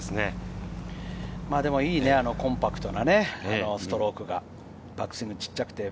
コンパクトなストロークが、バックスイングが小さくて。